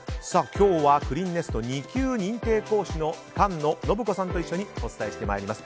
今日はクリンネスト２級認定講師の菅野延子さんと一緒にお伝えしてまいります。